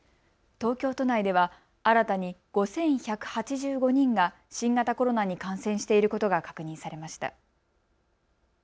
東京都内では新たに５１８５人が新型コロナに感染していることが確認されました。